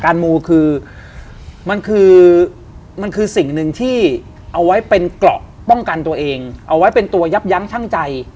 มูคือมันคือมันคือสิ่งหนึ่งที่เอาไว้เป็นเกราะป้องกันตัวเองเอาไว้เป็นตัวยับยั้งชั่งใจ